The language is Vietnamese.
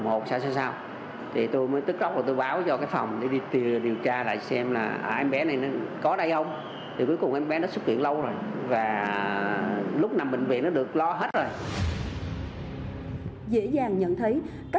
một trường hợp khác bệnh nhân trần hữu duy sáu tháng tuổi cũng đã kết thúc điều trị tại bệnh viện nhi đồng một từ nhiều tháng trước cũng nằm trong danh sách kêu gọi hỗ trợ vị trí điều trị